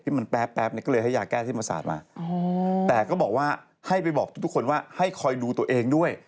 มันแป๊บเนี่ยก็เลยให้ยาแก้ที่มาสาดมาแต่ก็บอกว่าให้ไปบอกทุกคนว่าให้คอยดูตัวเองด้วย